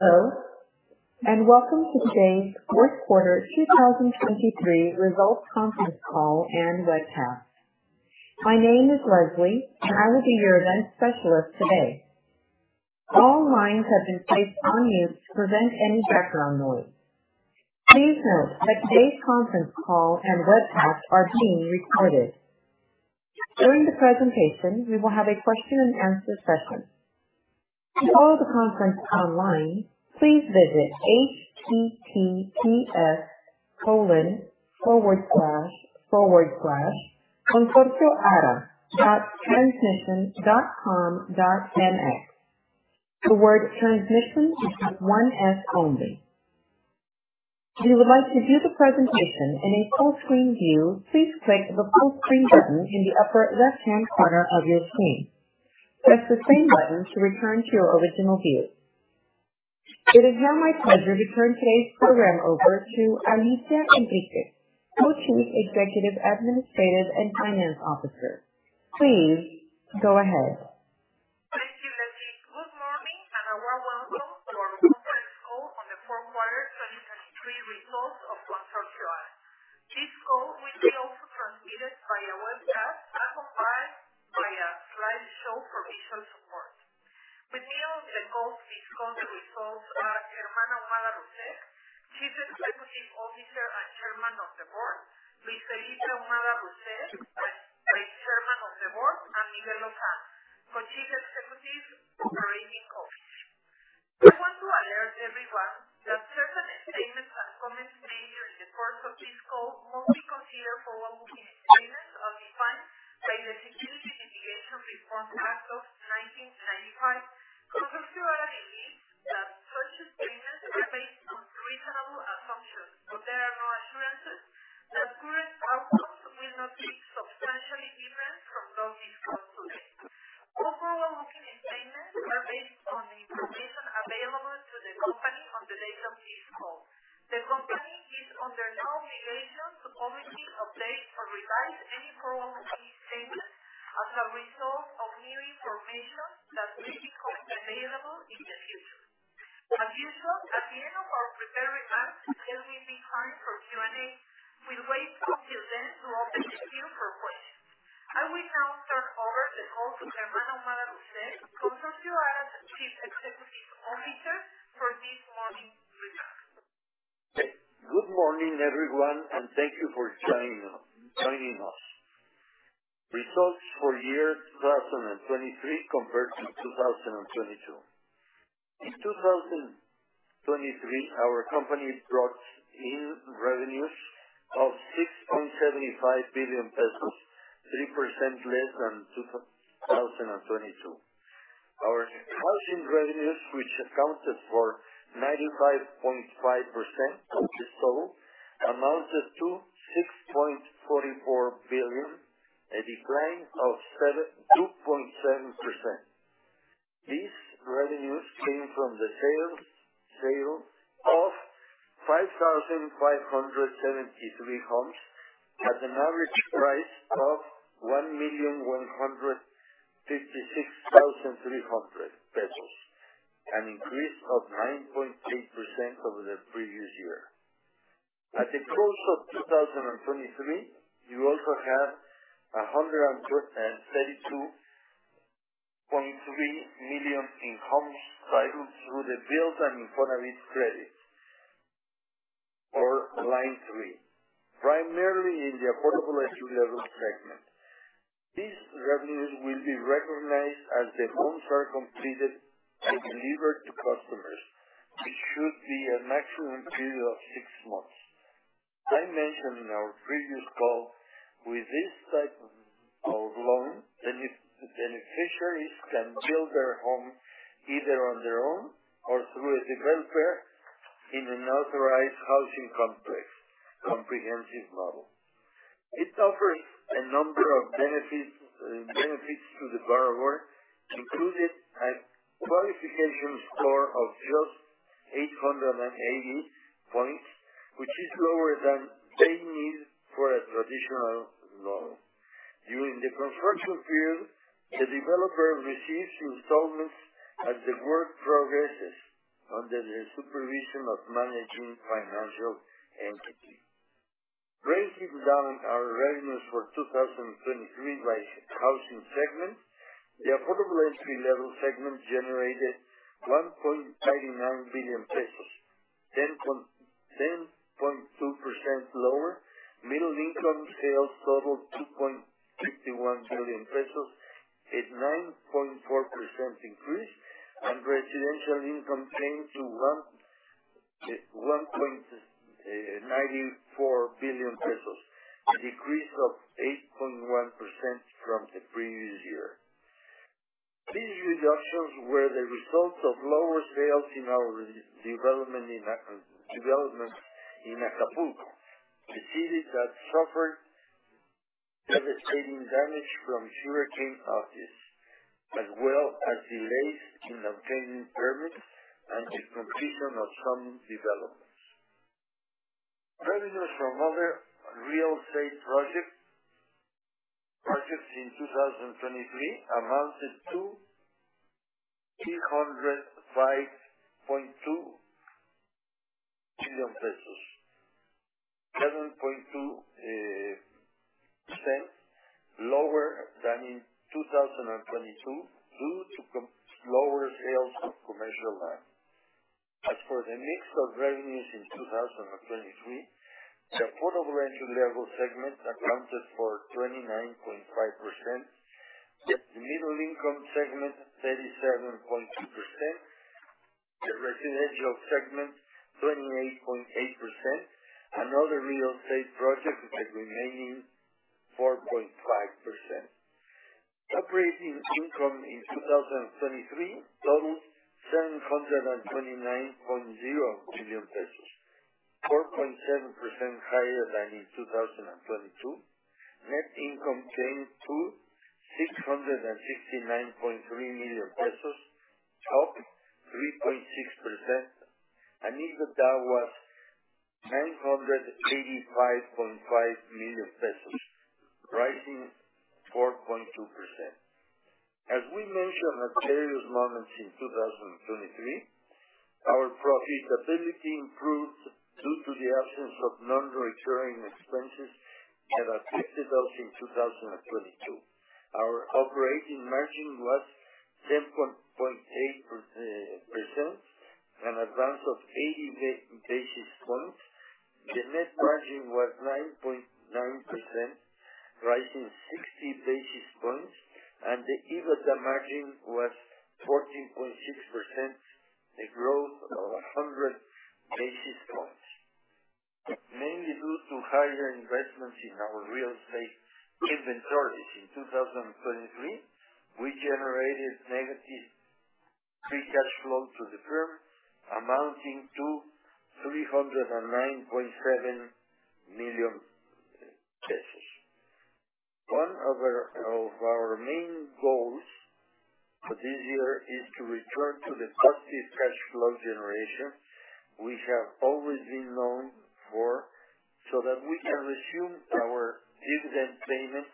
Hello, and welcome to today's fourth quarter 2023 results conference call and webcast. My name is Leslie, and I will be your event specialist today. All lines have been placed on mute to prevent any background noise. Please note that today's conference call and webcast are being recorded. During the presentation, we will have a question-and-answer session. To follow the conference online, please visit https://consorcioara.transmision.com.mx. The word "transmision" is with one S only. If you would like to view the presentation in a full-screen view, please click the full-screen button in the upper left-hand corner of your screen. Press the same button to return to your original view. It is now my pleasure to turn today's program over to Alicia Enríquez, Co-Chief Executive Administrative and Finance Officer. Please go ahead. Thank you, Leslie. Good morning, and a warm welcome to our conference call on the fourth quarter 2023 results of Consorcio Ara SAB. This call will be also transmitted via webcast and combined via a slideshow for visual support. With me on the call to discuss the results are Germán Ahumada Russek, Chief Executive Officer and Chairman of the Board; Luis Felipe Ahumada Russek, Vice Chairman of the Board; and Miguel Lozano, Co-Chief Executive Operating Officer. I want to alert everyone that certain statements and comments made during the course of this call must be considered forward-looking statements as defined by the Private Securities Litigation Reform Act of 1995. Consorcio Ara believes that such statements are based on reasonable assumptions, but there are no assurances that current outcomes will not be substantially different from those discussed today. All forward-looking statements are based on the information available to the company on the date of this call. The company is under no obligation to publish, update, or revise any forward-looking statements as a result of new information that may become available in the future. As usual, at the end of our prepared remarks, there will be time for Q&A. We'll wait until then to open the queue for questions. I will now turn over the call to Germán Ahumada Russek, Consorcio ARA's Chief Executive Officer, for this morning's remarks. Good morning, everyone, and thank you for joining us. Results for year 2023 compared to 2022. In 2023, our company brought in revenues of 6.75 billion pesos, 3% less than 2022. Our housing revenues, which accounted for 95.5% of the total, amounted to 6.44 billion, a decline of 2.7%. These revenues came from the sale of 5,573 homes at an average price of 1,156,300 pesos, an increase of 9.8% over the previous year. At the close of 2023, you also have 132.3 million in homes titled through the Build and Acquire Credit, or Line III, primarily in the affordable entry-level segment. These revenues will be recognized as the homes are completed and delivered to customers, which should be a maximum period of six months. I mentioned in our previous call, with this type of loan, beneficiaries can build their home either on their own or through a developer in an authorized housing complex, comprehensive model. It offers a number of benefits to the borrower, including a qualification score of just 880 points, which is lower than they need for a traditional loan. During the construction period, the developer receives installments as the work progresses under the supervision of managing financial entity. Breaking down our revenues for 2023 by housing segment, the affordable entry-level segment generated MXN 1.99 billion, 10.2% lower, middle-income sales totaled 2.51 billion pesos at 9.4% increase, and residential income came to 1.94 billion pesos, a decrease of 8.1% from the previous year. These reductions were the result of lower sales in our developments in Acapulco, a city that suffered devastating damage from Hurricane Otis, as well as delays in obtaining permits and the completion of some developments. Revenues from other real estate projects in 2023 amounted to MXN 305.2 million, 7.2% lower than in 2022 due to lower sales of commercial land. As for the mix of revenues in 2023, the affordable entry-level segment accounted for 29.5%, the middle-income segment 37.2%, the residential segment 28.8%, and other real estate projects with a remaining 4.5%. Operating income in 2023 totaled MXN 729.0 million, 4.7% higher than in 2022. Net income came to MXN 669.3 million, up 3.6%. EBITDA was MXN 985.5 million, rising 4.2%. As we mentioned at various moments in 2023, our profitability improved due to the absence of non-recurring expenses that affected us in 2022. Our operating margin was 10.8%, an advance of 80 basis points. The net margin was 9.9%, rising 60 basis points, and the EBITDA margin was 14.6%, a growth of 100 basis points. Mainly due to higher investments in our real estate inventories in 2023, we generated negative free cash flow to the firm, amounting to MXN 309.7 million. One of our main goals for this year is to return to the positive cash flow generation we have always been known for so that we can resume our dividend payment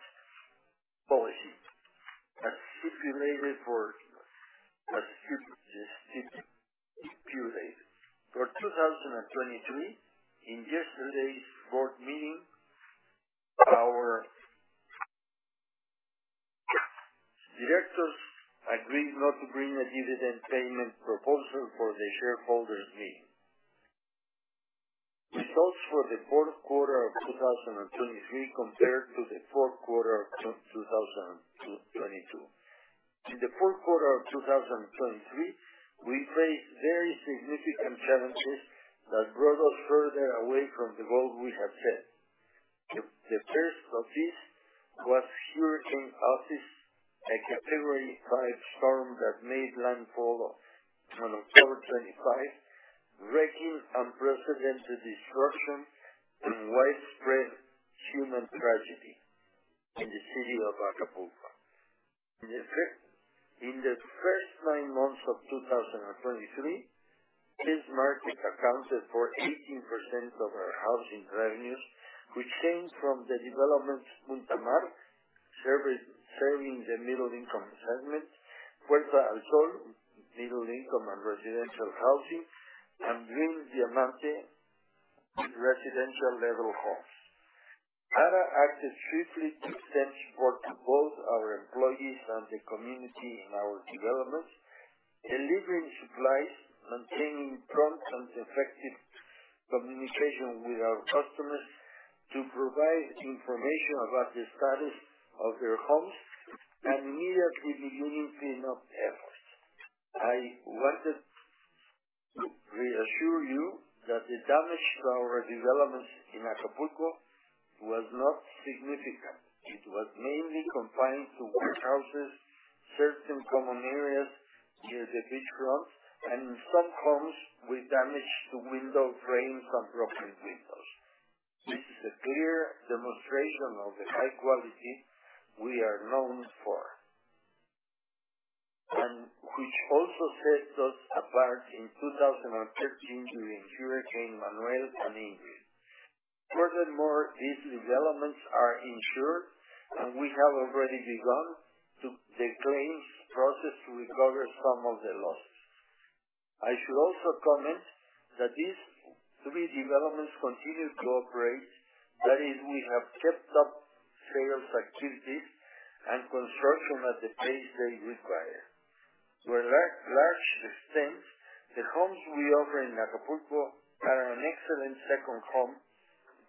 policy as stipulated for 2023. In yesterday's board meeting, our directors agreed not to bring a dividend payment proposal for the shareholders' meeting. Results for the fourth quarter of 2023 compared to the fourth quarter of 2022. In the fourth quarter of 2023, we faced very significant challenges that brought us further away from the goal we had set. The first of these was Hurricane Otis, a Category 5 storm that made landfall on October 25, wreaking unprecedented destruction and widespread human tragedy in the city of Acapulco. In the first nine months of 2023, this market accounted for 18% of our housing revenues, which came from the developments Punta Mar, serving the middle-income segment, Puerto Azul, middle-income and residential housing, and Dream Diamante, residential-level homes. Ara acted swiftly to extend support to both our employees and the community in our developments, delivering supplies, maintaining prompt and effective communication with our customers to provide information about the status of their homes, and immediately beginning cleanup efforts. I wanted to reassure you that the damage to our developments in Acapulco was not significant. It was mainly confined to warehouses, certain common areas near the beachfront, and in some homes with damage to window frames and property windows. This is a clear demonstration of the high quality we are known for, which also set us apart in 2013 during Hurricane Manuel and Ingrid. Furthermore, these developments are insured, and we have already begun the claims process to recover some of the losses. I should also comment that these three developments continue to operate. That is, we have kept up sales activities and construction at the pace they require. To a large extent, the homes we offer in Acapulco are an excellent second home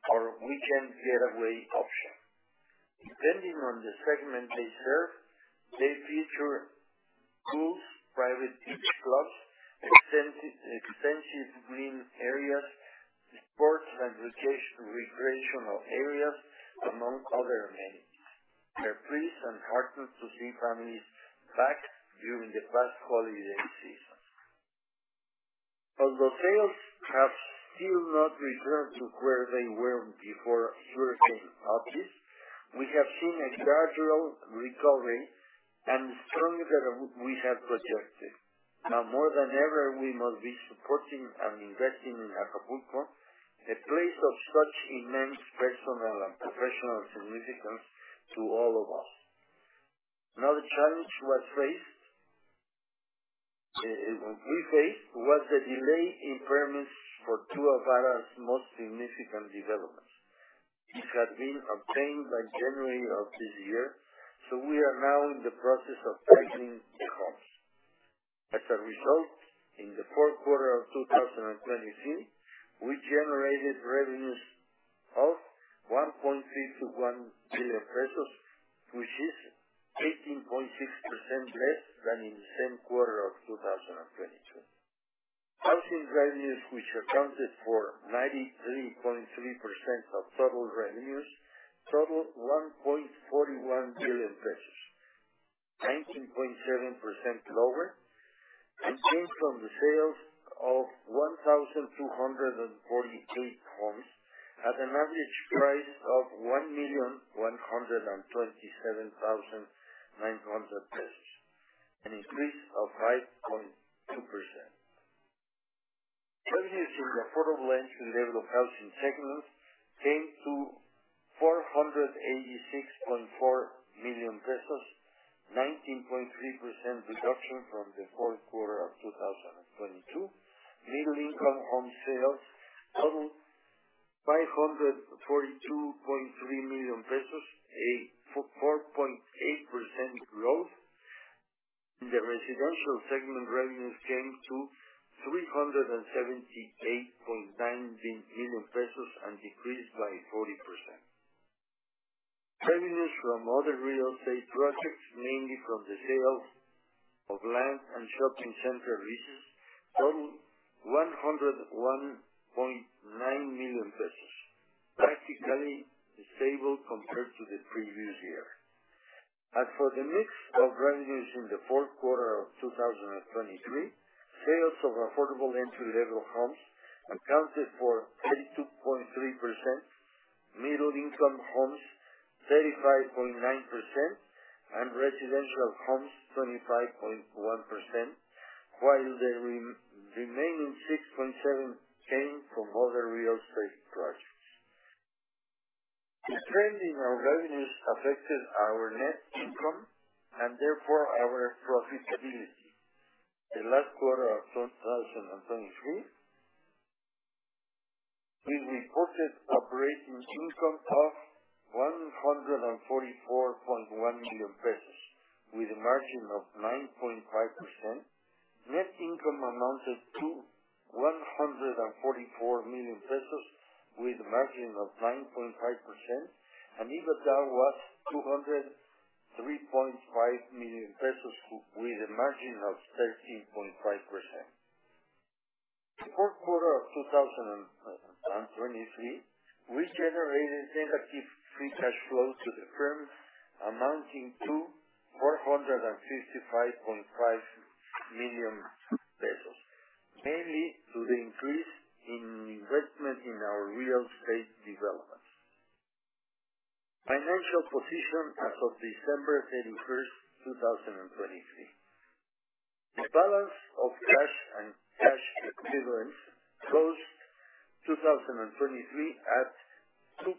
or weekend getaway option. Depending on the segment they serve, they feature pools, private beach clubs, extensive green areas, sports and recreational areas, among other amenities. They're pleased and heartened to see families back during the past holiday seasons. Although sales have still not returned to where they were before Hurricane Otis, we have seen a gradual recovery and stronger than we had projected. Now, more than ever, we must be supporting and investing in Acapulco, a place of such immense personal and professional significance to all of us. Another challenge we faced was the delay in permits for two of Ara's most significant developments. These had been obtained by January of this year, so we are now in the process of titling the homes. As a result, in the fourth quarter of 2023, we generated revenues of 1.3 billion-1 billion pesos, which is 18.6% less than in the same quarter of 2022. Housing revenues, which accounted for 93.3% of total revenues, totaled MXN 1.41 billion, 19.7% lower, and came from the sales of 1,248 homes at an average price of 1,127,900 pesos, an increase of 5.2%. Revenues in the affordable entry-level housing segment came to MXN 486.4 million, 19.3% reduction from the fourth quarter of 2022. Middle-income home sales totaled MXN 542.3 million, a 4.8% growth. In the residential segment, revenues came to 378.9 million pesos and decreased by 40%. Revenues from other real estate projects, mainly from the sales of land and shopping center leases, totaled MXN 101.9 million, practically stable compared to the previous year. As for the mix of revenues in the fourth quarter of 2023, sales of affordable entry-level homes accounted for 32.3%, middle-income homes 35.9%, and residential homes 25.1%, while the remaining 6.7% came from other real estate projects. The trend in our revenues affected our net income and, therefore, our profitability. In the last quarter of 2023, we reported operating income of 144.1 million pesos, with a margin of 9.5%. Net income amounted to 144 million pesos, with a margin of 9.5%, and EBITDA was 203.5 million pesos, with a margin of 13.5%. In the fourth quarter of 2023, we generated negative free cash flow to the firm, amounting to 455.5 million pesos, mainly due to the increase in investment in our real estate developments. Financial position as of December 31st, 2023. The balance of cash and cash equivalents closed 2023 at MXN 2.3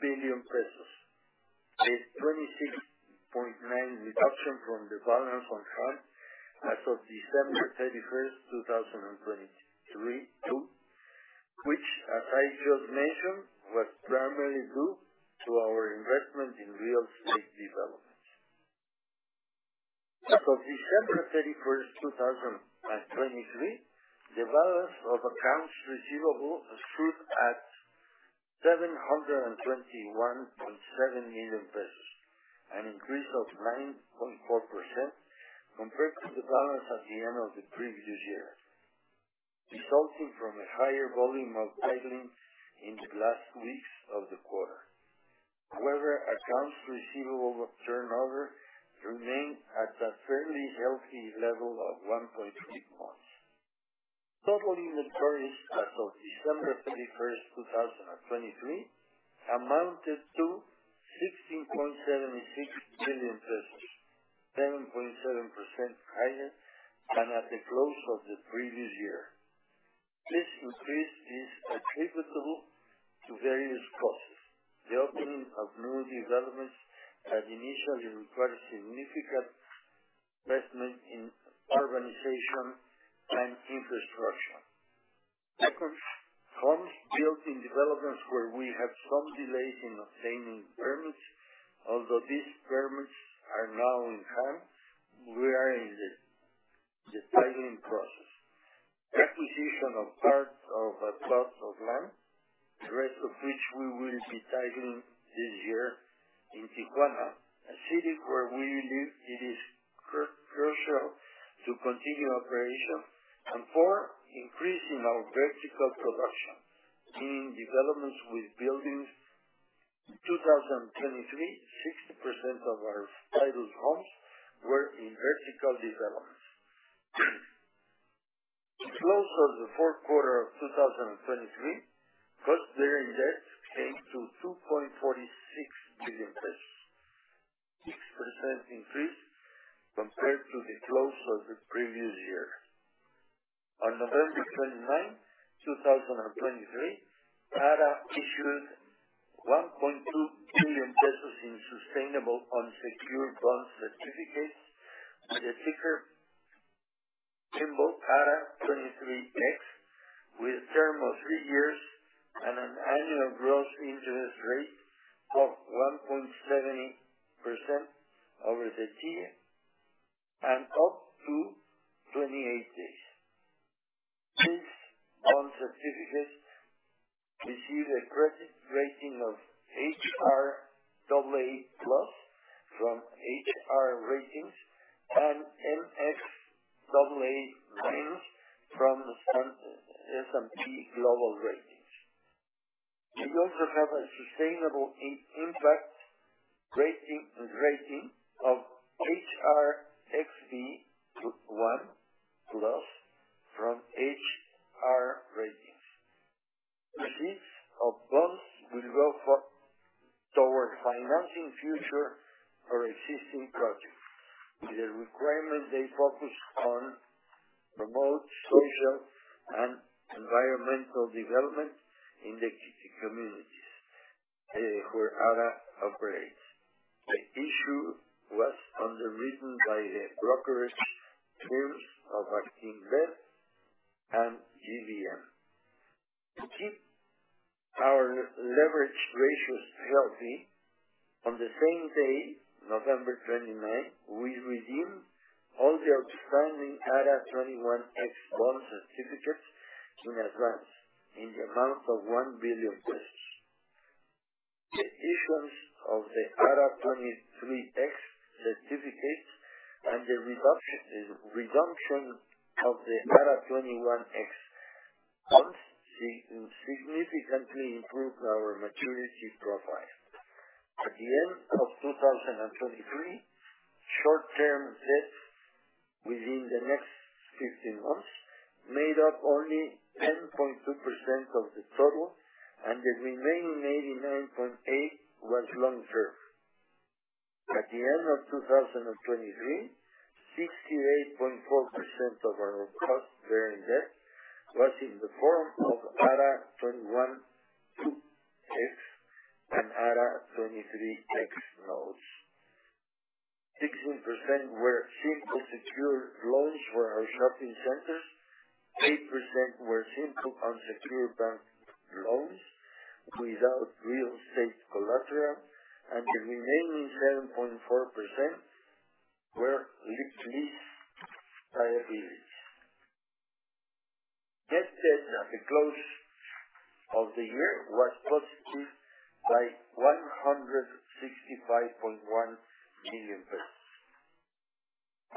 billion, a 26.9% reduction from the balance on hand as of December 31st, 2022, which, as I just mentioned, was primarily due to our investment in real estate developments. As of December 31st, 2023, the balance of accounts receivable stood at 721.7 million pesos, an increase of 9.4% compared to the balance at the end of the previous year, resulting from a higher volume of titling in the last weeks of the quarter. However, accounts receivable turnover remained at a fairly healthy level of 1.3%. Total inventories as of December 31st, 2023, amounted to 16.76 billion pesos, 7.7% higher than at the close of the previous year. This increase is attributable to various causes: the opening of new developments that initially required significant investment in urbanization and infrastructure. Second, homes built in developments where we had some delays in obtaining permits. Although these permits are now in hand, we are in the titling process. Acquisition of part of a plot of land, the rest of which we will be titling this year in Tijuana, a city where we believe it is crucial to continue operation. And four, increase in our vertical production, meaning developments with buildings. In 2023, 60% of our titled homes were in vertical developments. The close of the fourth quarter of 2023, cost of their inventory came to 2.46 billion pesos, a 6% increase compared to the close of the previous year. On November 29, 2023, ARA issued 1.2 billion pesos in sustainable unsecured bond certificates with the ticker symbol ARA23X, with a term of three years and an annual gross interest rate of 1.70% over the TIIE and up to 28 days. These bond certificates received a credit rating of HR AA+ from HR Ratings and mxAA- from S&P Global Ratings. We also have a sustainable impact rating of HR SB1+ from HR Ratings. Receipts of bonds will go toward financing future or existing projects, with a requirement they focus on remote social and environmental development in the communities where ARA operates. The issue was underwritten by the brokerage firms of Actinver and GBM. To keep our leverage ratios healthy, on the same day, November 29th, we redeemed all the outstanding ARA21X bond certificates in advance in the amount of MXN 1 billion. The issuance of the ARA23X certificates and the redemption of the ARA21X bonds significantly improved our maturity profile. At the end of 2023, short-term debt within the next 15 months made up only 10.2% of the total, and the remaining 89.8% was long-term. At the end of 2023, 68.4% of our gross bearing debt was in the form of ARA21X and ARA23X notes. 16% were simple secure loans for our shopping centers, 8% were simple unsecured bank loans without real estate collateral, and the remaining 7.4% were lease liabilities. Net debt at the close of the year was positive by 165.1 million pesos.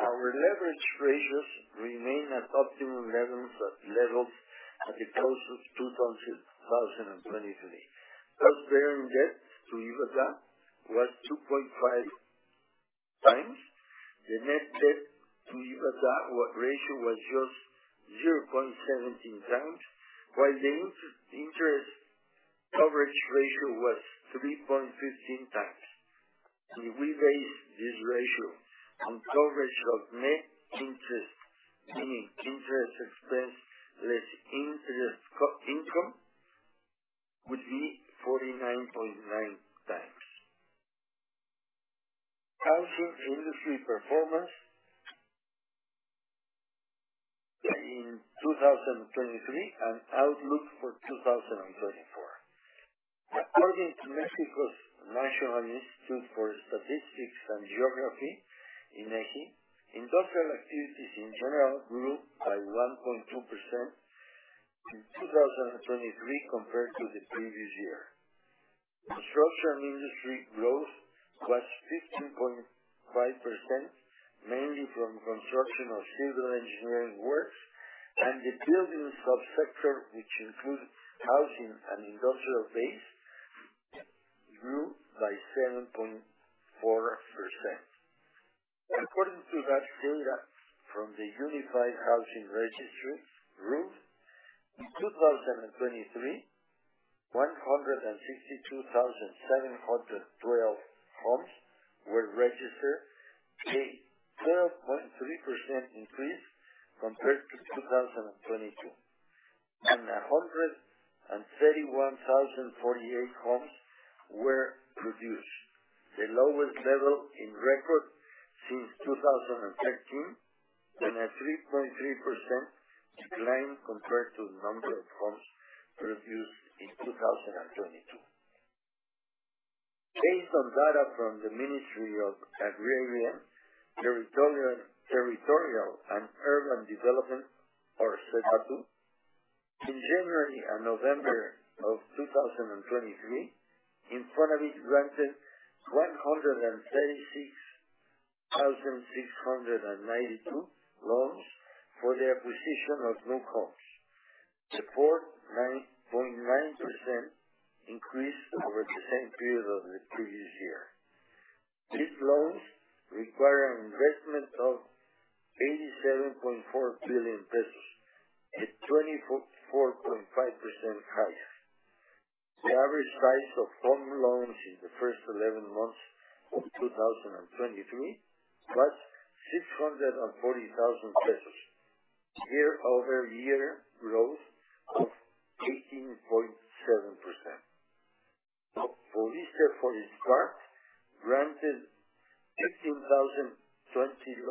Our leverage ratios remain at optimum levels at the close of 2023. Gross bearing debt to EBITDA was 2.5 times. The net debt to EBITDA ratio was just 0.17 times, while the interest coverage ratio was 3.15 times. We base this ratio on coverage of net interest, meaning interest expense less interest income, which would be 49.9 times. Housing industry performance in 2023 and outlook for 2024. According to Mexico's National Institute for Statistics and Geography (INEGI), industrial activities in general grew by 1.2% in 2023 compared to the previous year. Construction industry growth was 15.5%, mainly from construction of civil engineering works, and the building subsector, which includes housing and industrial base, grew by 7.4%. According to that data from the Unified Housing Registry (RUV), in 2023, 162,712 homes were registered, a 12.3% increase compared to 2022, and 131,048 homes were produced, the lowest level in record since 2013, and a 3.3% decline compared to the number of homes produced in 2022. Based on data from the Ministry of Agrarian, Territorial, and Urban Development, or SEDATU, in January and November of 2023, INFONAVIT granted 136,692 loans for the acquisition of new homes, a 4.9% increase over the same period of the previous year. These loans require an investment of MXN 87.4 billion, a 24.5% higher. The average size of home loans in the first 11 months of 2023 was MXN 640,000, year-over-year growth of 18.7%. FOVISSSTE therefore in part granted 15,020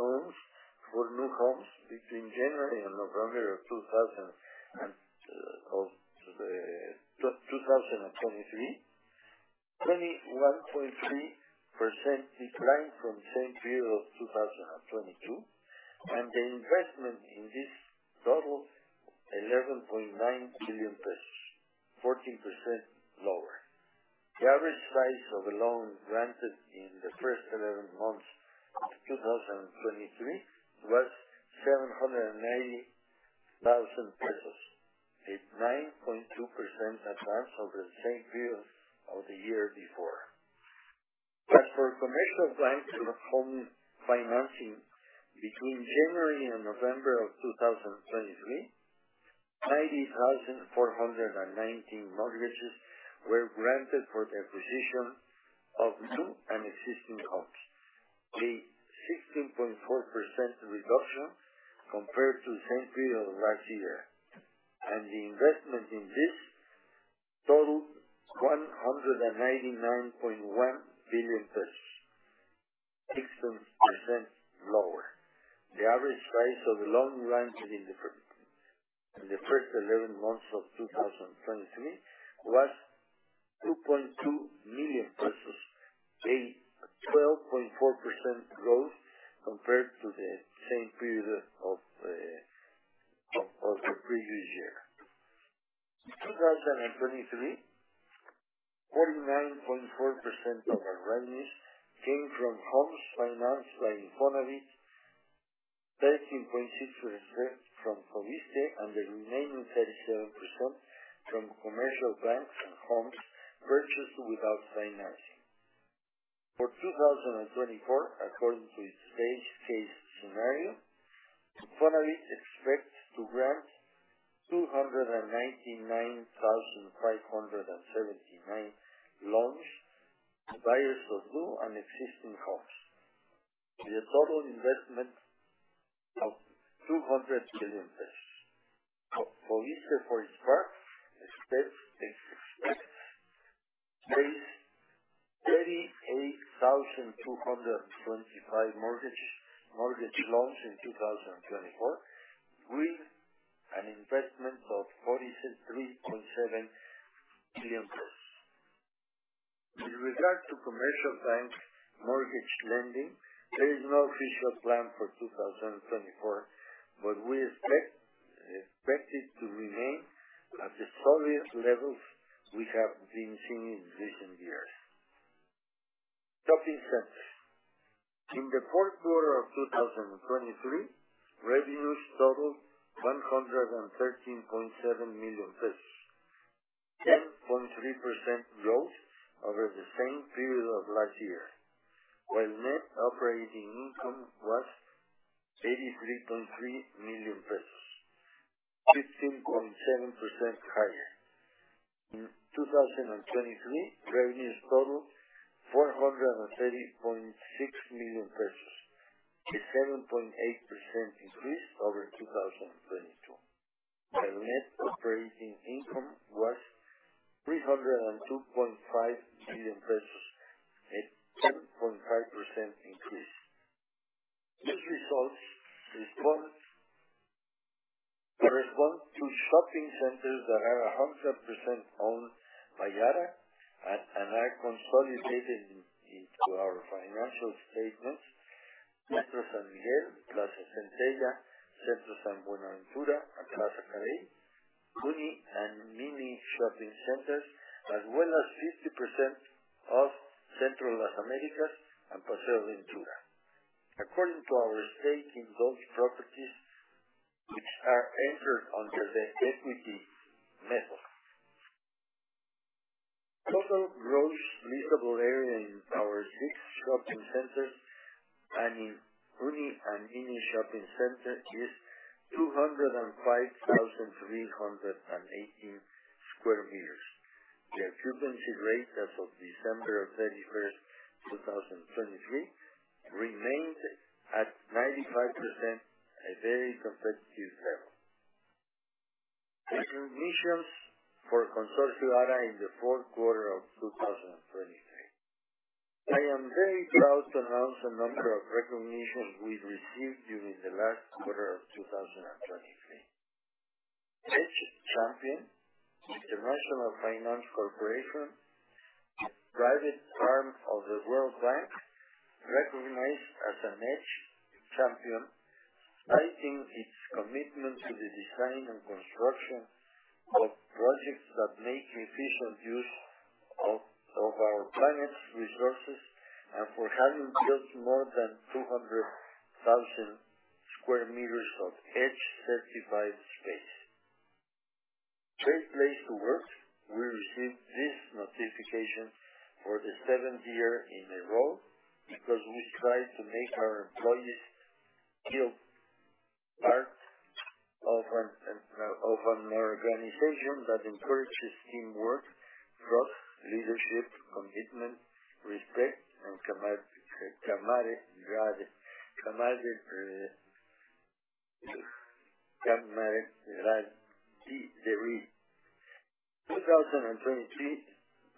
loans for new homes between January and November of 2023, a 21.3% decline from the same period of 2022, and the investment in this totaled 11.9 billion pesos, 14% lower. The average size of a loan granted in the first 11 months of 2023 was 790,000 pesos, a 9.2% advance over the same period of the year before. As for commercial bank home financing, between January and November of 2023, 90,419 mortgages were granted for the acquisition of new and existing homes, a 16.4% reduction compared to the same period of last year, and the investment in this totaled 199.1 billion pesos, 16% lower. The average size of a loan granted in the first 11 months of 2023 was MXN 2.2 million, a 12.4% growth compared to the same period of the previous year. In 2023, 49.4% of our revenues came from homes financed by INFONAVIT, 13.6% from FOVISSSTE, and the remaining 37% from commercial banks and homes purchased without financing. For 2024, according to its base case scenario, INFONAVIT expects to grant 299,579 loans to buyers of new and existing homes, with a total investment of MXN 200 million. INFONAVIT therefore in part expects to place 38,225 mortgage loans in 2024 with an investment of 43.7 million pesos. With regard to commercial bank mortgage lending, there is no official plan for 2024, but we expect it to remain at the solid levels we have been seeing in recent years. Shopping centers. In the fourth quarter of 2023, revenues totaled MXN 113.7 million, 10.3% growth over the same period of last year, while net operating income was MXN 83.3 million, 15.7% higher. In 2023, revenues totaled MXN 430.6 million, a 7.8% increase over 2022, while net operating income was MXN 302.5 million, a 10.5% increase. These results respond to shopping centers that are 100% owned by ARA and are consolidated into our financial statements: Centro San Miguel, Plaza Centella, Centro San Buenaventura, Plaza Calais, Uni, and Mini Shopping Centers, as well as 50% of Centro Las Américas and Paseo Ventura. According to our stake in those properties, which are entered under the equity method, total gross leasable area in our six shopping centers and in Uni and Mini Shopping Center is 205,318 sqm. The occupancy rate as of December 31st, 2023, remained at 95%, a very competitive level. Recognitions for Consorcio Ara in the fourth quarter of 2023. I am very proud to announce the number of recognitions we received during the last quarter of 2023. EDGE Champion. International Finance Corporation, a private arm of the World Bank, recognized as an EDGE Champion, citing its commitment to the design and construction of projects that make efficient use of our planet's resources and for having built more than 200,000 sqm of EDGE-certified space. Great Place to Work. We received this certification for the seventh year in a row because we strive to make our employees feel part of an organization that encourages teamwork, trust, leadership, commitment, respect, and camaraderie.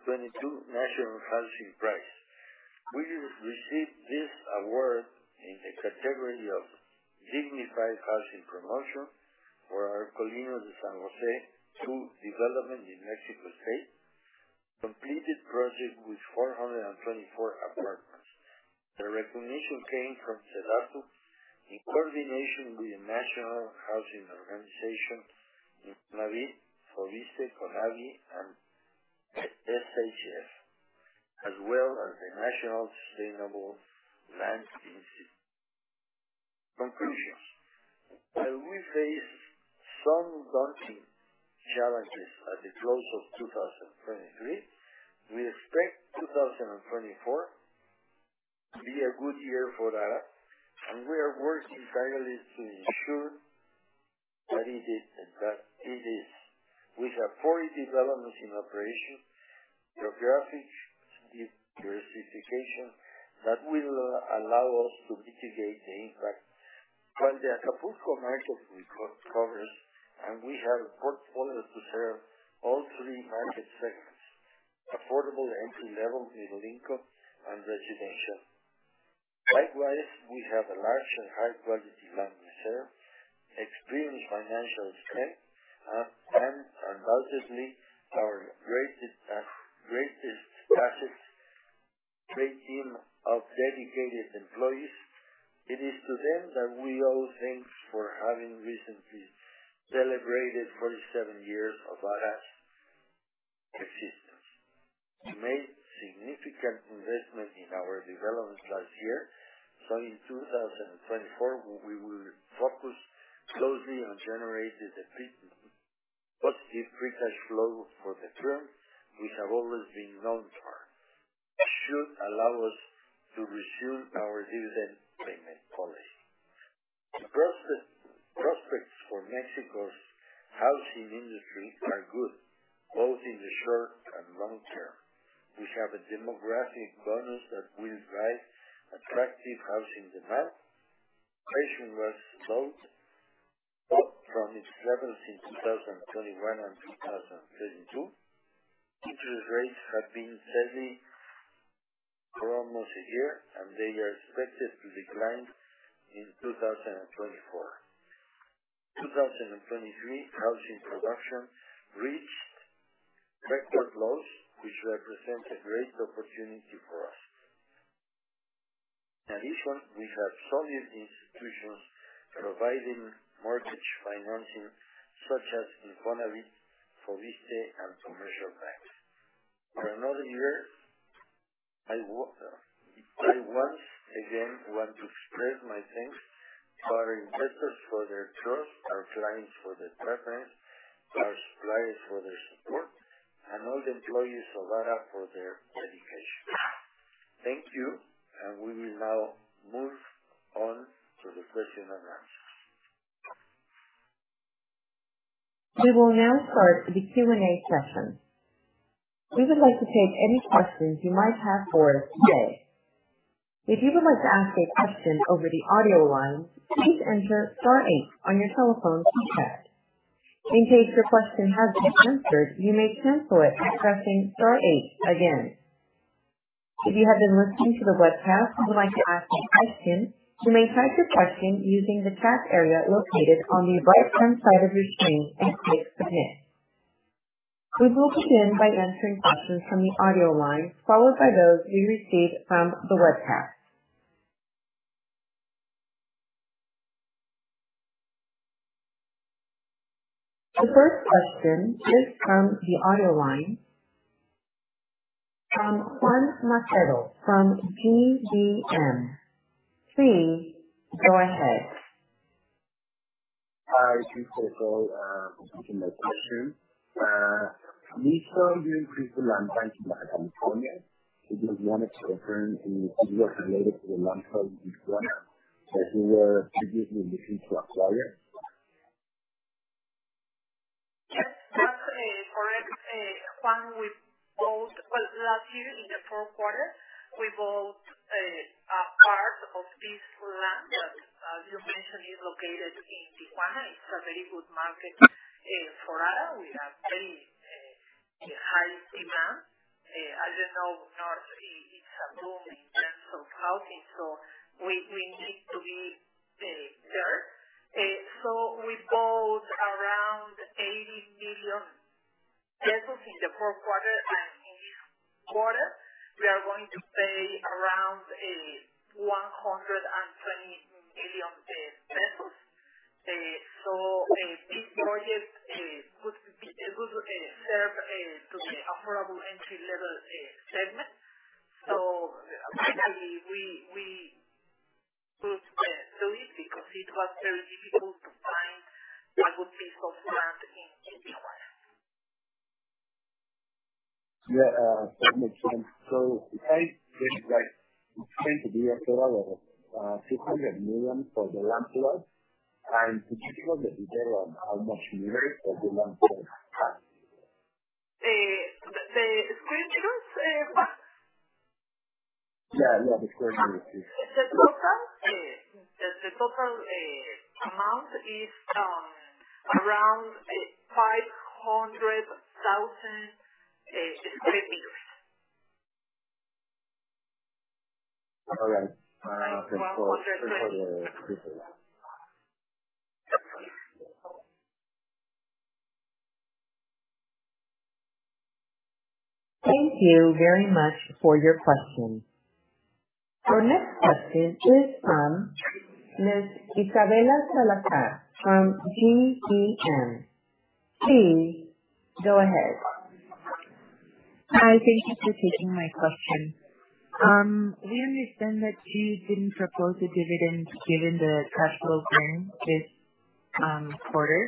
2022 National Housing Prize. We received this award in the category of Dignified Housing Promotion for our Colinas de San José 2 development in Mexico State, completed project with 424 apartments. The recognition came from SEDATU in coordination with the National Housing Organization, ONAVIS, INFONAVIT, CONAVI, and SHF, as well as the National Sustainable Land Institute. Conclusions. While we faced some daunting challenges at the close of 2023, we expect 2024 to be a good year for ARA, and we are working tirelessly to ensure that it is. We have 4 developments in operation, geographic diversification that will allow us to mitigate the impact, while the Acapulco market recovers, and we have a portfolio to serve all 3 market segments: affordable entry-level, middle-income, and residential. Likewise, we have a large and high-quality land reserve, experienced financial strength, and undoubtedly our greatest asset: a great team of dedicated employees. It is to them that we owe thanks for having recently celebrated 47 years of ARA's existence. We made significant investment in our development last year, so in 2024, we will focus closely on generating the positive free cash flow for the firm we have always been known for. This should allow us to resume our dividend payment policy. The prospects for Mexico's housing industry are good, both in the short and long term. We have a demographic bonus that will drive attractive housing demand. Inflation was low from its levels in 2021 and 2022. Interest rates have been steady for almost a year, and they are expected to decline in 2024. In 2023, housing production reached record lows, which represents a great opportunity for us. In addition, we have solid institutions providing mortgage financing such as INFONAVIT, FOVISSSTE, and commercial banks. For another year, I once again want to express my thanks to our investors for their trust, our clients for their preference, our suppliers for their support, and all the employees of ARA for their dedication. Thank you, and we will now move on to the question and answers. We will now start the Q&A session. We would like to take any questions you might have for us today. If you would like to ask a question over the audio line, please enter *8 on your telephone keypad. In case your question has been answered, you may cancel it by pressing *8 again. If you have been listening to the webcast and would like to ask a question, you may type your question using the chat area located on the right-hand side of your screen and click Submit. We will begin by answering questions from the audio line, followed by those we received from the webcast. The first question is from the audio line from Juan Macedo from GBM. Please go ahead. Hi, I'm Juan Macedo. I'm asking my question. Alicia, you increased the land bank in Baja California? It was one of the firms in NewCity related to the land firm in Tijuana that you were previously looking to acquire. Yes. That's correct. Juan, we bought well, last year, in the fourth quarter, we bought part of this land that you mentioned is located in Tijuana. It's a very good market for Ara with a very high demand. As you know, north, it's a boom in terms of housing, so we need to be there. So we bought around 80 million pesos in the fourth quarter, and in this quarter, we are going to pay around MXN 120 million. So this project would serve to the affordable entry-level segment. So we could do it because it was very difficult to find a good piece of land in Tijuana. Yeah, that makes sense. So you paid 20 billion pesos, MXN 200 million for the land plot, and did you give us the detail on how much meter for the land plot? The square meters? Yeah, yeah, the square meters, please. The total amount is around 500,000 sqm. All right. Thank you for the question. Thank you very much for your question. Our next question is from Ms. Isabela Salazar from GBM. Please go ahead. Hi, thank you for taking my question. We understand that you didn't propose a dividend given the cash flow gain this quarter.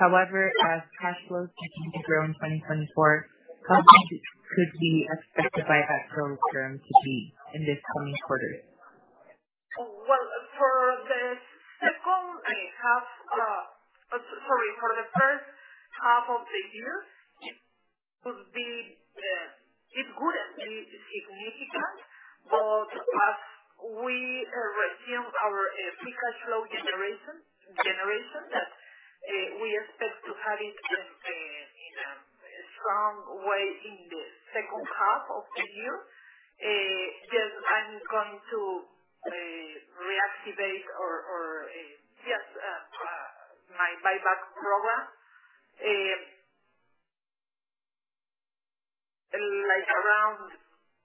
However, as cash flows begin to grow in 2024, how much could we expect the buyback program to be in this coming quarter? Well, for the second half—sorry, for the first half of the year, it wouldn't be significant, but as we resume our free cash flow generation, we expect to have it in a strong way in the second half of the year. Yes, I'm going to reactivate my buyback program around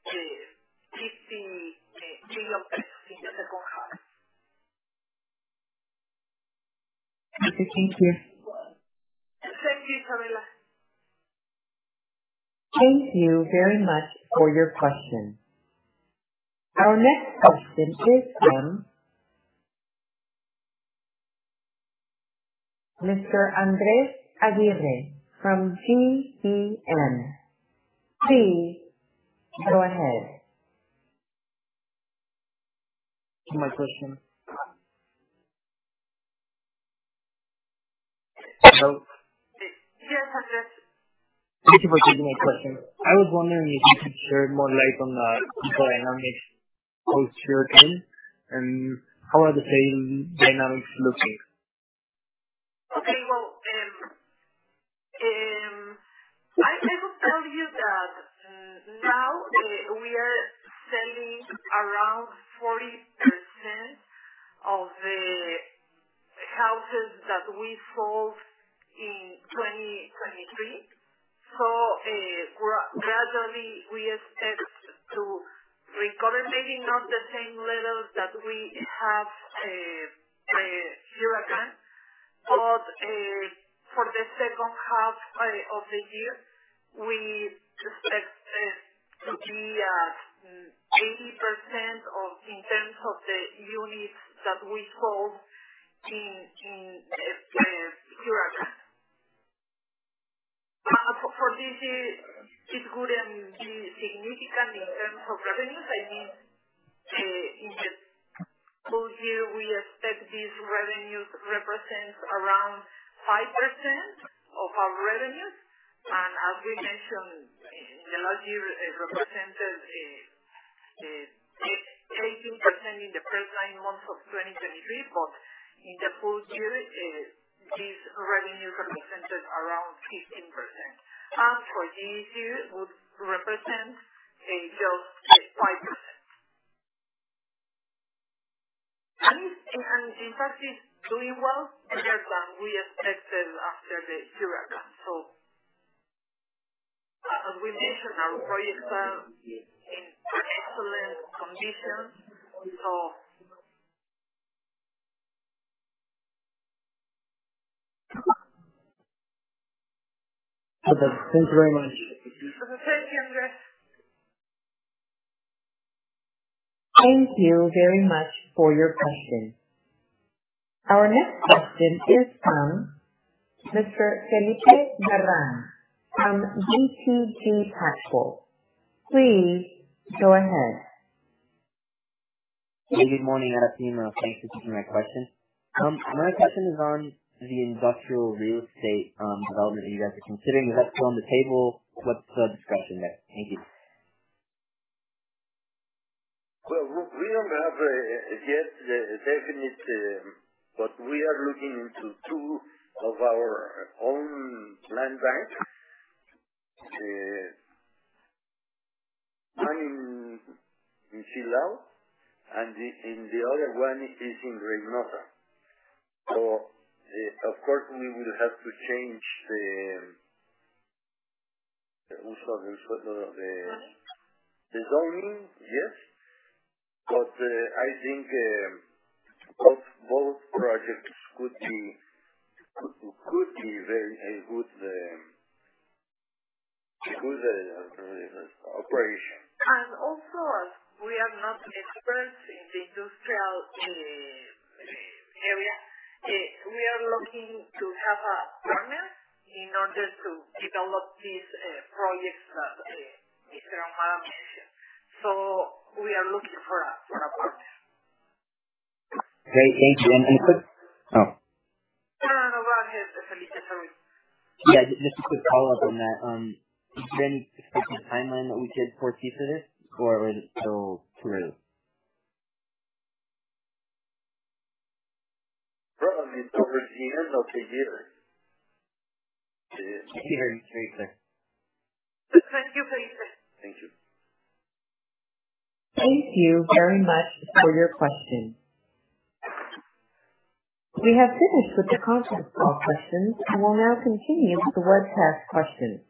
MXN 50 million in the second half. Thank you. Thank you, Isabela. Thank you very much for your question. Our next question is from Mr. Andrés Aguirre from GBM. Please go ahead. My question. Hello? Yes, Andrés. Thank you for taking my question. I was wondering if you could share more light on the economics post-year gain, and how are the sales dynamics looking? Okay. Well, I will tell you that now we are selling around 40% of the houses that we sold in 2023. So gradually, we expect to recover, maybe not the same level that we had hurricane, but for the second half of the year, we expect it to be 80% in terms of the units that we sold in hurricane. For this year, it wouldn't be significant in terms of revenues. I mean, in the full year, we expect these revenues to represent around 5% of our revenues. And as we mentioned, last year represented 18% in the first nine months of 2023, but in the full year, these revenues represented around 15%. For this year, it would represent just 5%. And in fact, it's doing well better than we expected after the hurricane. So as we mentioned, our projects are in excellent condition, so. Thank you very much. Thank you, Andrés. Thank you very much for your question. Our next question is from Mr. Felipe Garrán from BTG Pactual. Please go ahead. Hey, good morning, Alicia Pimentel. Thanks for taking my question. My question is on the industrial real estate development that you guys are considering. Is that still on the table? What's the discussion there? Thank you. Well, we don't have yet the definite, but we are looking into two of our own land banks. One in Toluca, and the other one is in Reynosa. So of course, we will have to change the zoning, yes, but I think both projects could be very good operation. Also, we are not experts in the industrial area. We are looking to have a partner in order to develop these projects that Mr. Ahumada mentioned. So we are looking for a partner. Great. Thank you. And a quick oh. No, no, no. Go ahead, Felipe. Sorry. Yeah, just a quick follow-up on that. Is there any specific timeline that we could foresee for this, or is it still too early? Probably towards the end of the year. Thank you very much. Very clear. Thank you, Felipe. Thank you. Thank you very much for your question. We have finished with the conference call questions and will now continue with the webcast questions.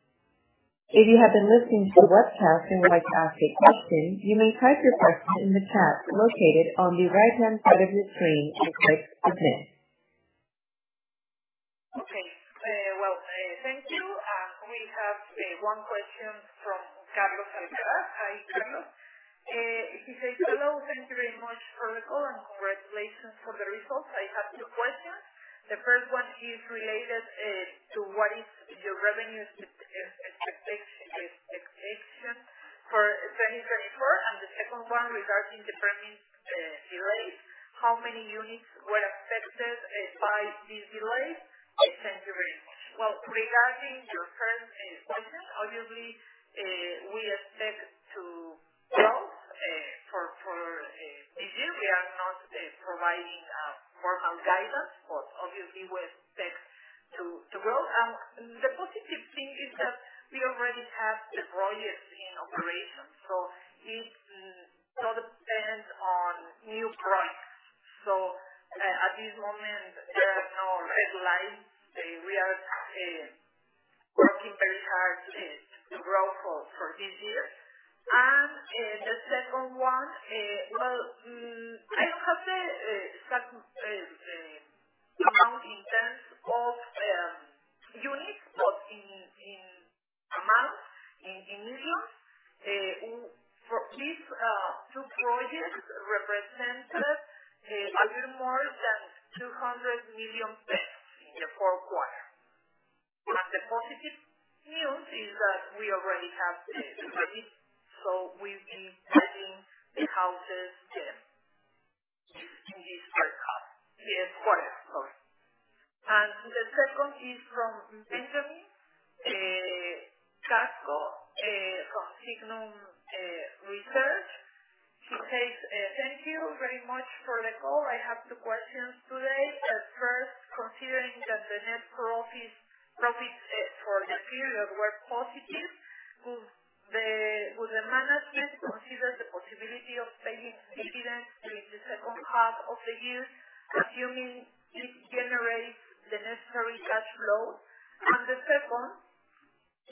If you have been listening to the webcast and would like to ask a question, you may type your question in the chat located on the right-hand side of your screen and click Submit. Okay. Well, thank you. We have one question from Carlos Alcaraz. Hi, Carlos. He says, "Hello. Thank you very much for the call and congratulations for the results. I have two questions. The first one is related to what is your revenue expectation for 2024, and the second one regarding the permit delays. How many units were affected by this delay? Thank you very much." Well, regarding your first question, obviously, we expect to grow for this year. We are not providing formal guidance, but obviously, we expect to grow. The positive thing is that we already have the projects in operation, so it doesn't depend on new projects. So at this moment, there are no red lines. We are working very hard to grow for this year. And the second one, well, I don't have the exact amount in terms of units, but in amount, in millions, these two projects represented a little more than 200 million pesos in the fourth quarter. And the positive news is that we already have the permit, so we'll be buying the houses in this third quarter. And the second is from Benjamín Casco from Signum Research. He says, "Thank you very much for the call. I have two questions today. First, considering that the net profits for the period were positive, would the management consider the possibility of paying dividends in the second half of the year, assuming it generates the necessary cash flow? And the second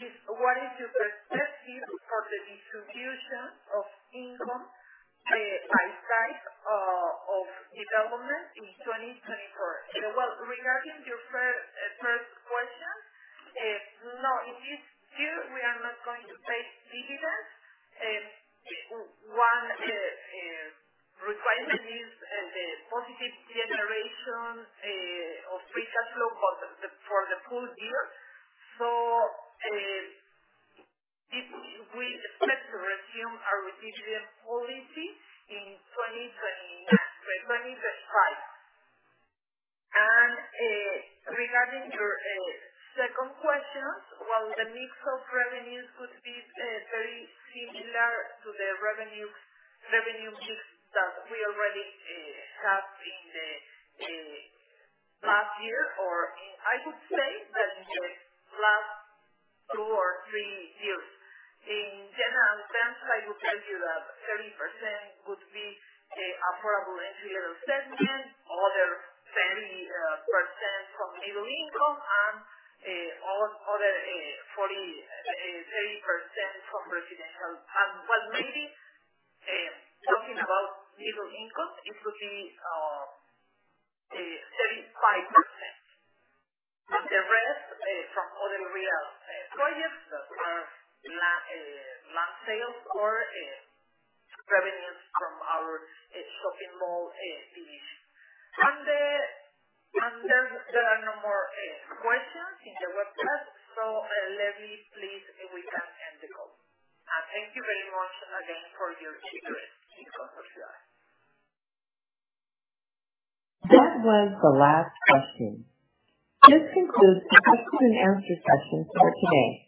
is, what is your perspective for the distribution of income by type of development in 2024? Well, regarding your first question, no, in this year, we are not going to pay dividends. One requirement is the positive generation of free cash flow for the full year. So we expect to resume our dividend policy in 2025. And regarding your second question, well, the mix of revenues could be very similar to the revenue mix that we already have in the past year, or I would say that in the last two or three years. In general terms, I would tell you that 30% could be affordable entry-level segment, other 30% from middle income, and other 30% from residential. Well, maybe talking about middle income, it could be 35%. And the rest from other real projects that are land sales or revenues from our shopping mall division. There are no more questions in the webcast, so Leslie, please, we can end the call. And thank you very much again for your interest in the Consorcio Ara SAB. That was the last question. This concludes the questions and answers session for today.